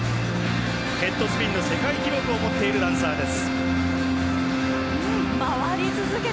ヘッドスピンの世界記録を持っているダンサーです。